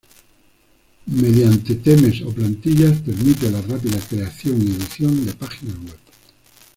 Mediante Themes o Plantillas permiten la rápida creación y edición de páginas web.